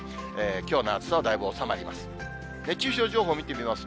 きょうの暑さはだいぶ収まります。